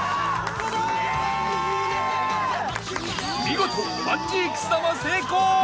［見事バンジーくす玉成功！］